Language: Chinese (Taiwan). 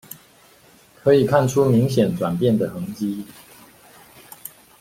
可以看出明顯轉變的痕跡